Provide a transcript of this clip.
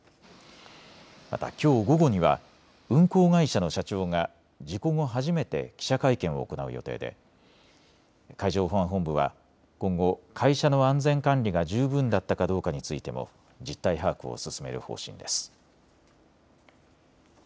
また、きょう午後には運航会社の社長が事故後、初めて記者会見を行う予定で海上保安本部は今後、会社の安全管理が十分だったかどうかについても実態把握を進める方針です。